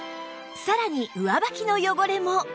さらに上履きの汚れも